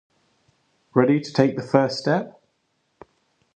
Ready to take the first step?